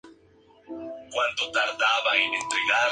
El Primer Ministro de China Zhou Enlai ordenó al Gen.